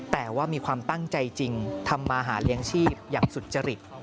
แต่ว่ามีความตั้งใจจริงทำมาหาเลี้ยงชีพอย่างสุจริต